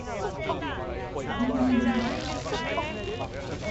お花見日和ですね